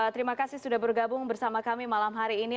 terima kasih sudah bergabung bersama kami malam hari ini